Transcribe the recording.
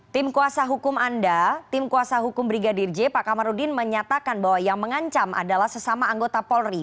tim kuasa hukum anda tim kuasa hukum brigadir j pak kamarudin menyatakan bahwa yang mengancam adalah sesama anggota polri